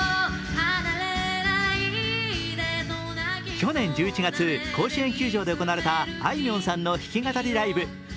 去年１１月、甲子園球場で行われたあいみょんさんの弾き語りライブ。